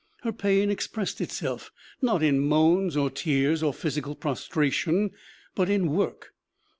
Her pain expressed itself, not in moans or tears or physical prostration, but in work.